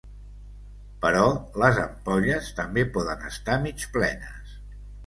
Però les ampolles també poden estar mig plenes.